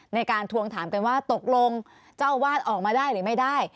ในการทวงถามเป็นว่าตกลงเจ้าวาดออกมาได้หรือไม่ได้